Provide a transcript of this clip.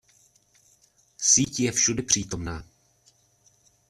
Síť je všudypřítomná.